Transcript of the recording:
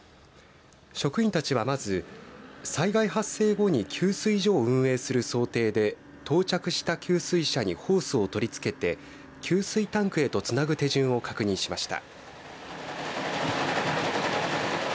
職員たちはまず、災害発生後に給水所を運営する想定で到着した給水車にホースを取り付けて給水タンクへとつなぐ手順を確認しました。